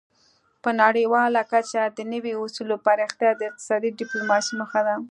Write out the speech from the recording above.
په نړیواله کچه د نوي اصولو پراختیا د اقتصادي ډیپلوماسي موخه ده